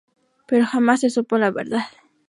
Pero jamás se supo la verdad.